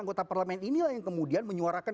anggota parlemen inilah yang kemudian menyuarakan